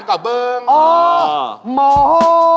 จับข้าว